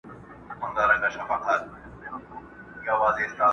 ستا د عدل او انصاف بلا گردان سم،